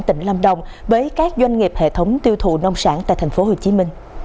tỉnh lâm đồng với các doanh nghiệp hệ thống tiêu thụ nông sản tại tp hcm